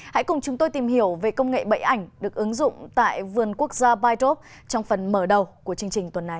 hãy cùng chúng tôi tìm hiểu về công nghệ bẫy ảnh được ứng dụng tại vườn quốc gia bidrop trong phần mở đầu của chương trình tuần này